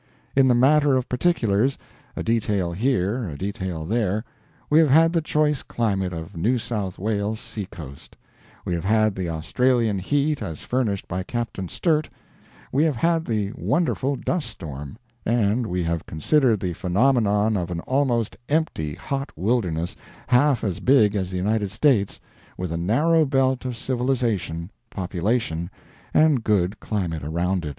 In the matter of particulars a detail here, a detail there we have had the choice climate of New South Wales' seacoast; we have had the Australian heat as furnished by Captain Sturt; we have had the wonderful dust storm; and we have considered the phenomenon of an almost empty hot wilderness half as big as the United States, with a narrow belt of civilization, population, and good climate around it.